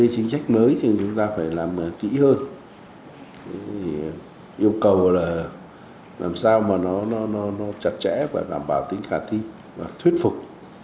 chính sách mới thì chúng ta phải làm kỹ hơn yêu cầu là làm sao mà nó chặt chẽ và đảm bảo tính khả thi và thuyết phục